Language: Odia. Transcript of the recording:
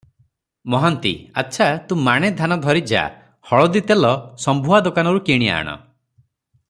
ମହାନ୍ତି-ଆଚ୍ଛା, ତୁ ମାଣେ ଧାନ ଧରି ଯା, ହଳଦୀ ତେଲ ଶମ୍ଭୁଆ ଦୋକାନରୁ କିଣି ଆଣ ।